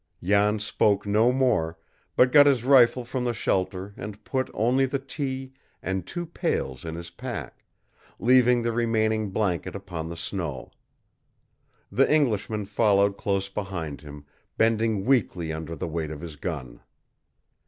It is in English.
Jan spoke no more, but got his rifle from the shelter and put only the tea and two pails in his pack; leaving the remaining blanket upon the snow. The Englishman followed close behind him, bending weakly under the weight of his gun.